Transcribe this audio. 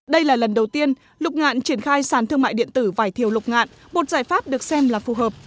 đây là lần đầu tiên lục ngạn triển khai sàn thương mại điện tử vải thiều lục ngạn một giải pháp được xem là phù hợp